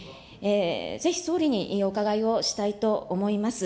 ぜひ総理にお伺いをしたいと思います。